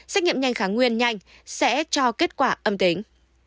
xét nghiệm nhanh kháng nguyên nhanh sẽ cho kết quả âm tính